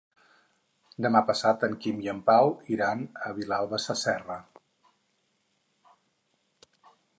Demà passat en Quim i en Pau iran a Vilalba Sasserra.